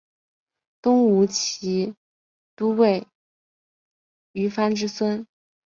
东吴骑都尉虞翻之孙。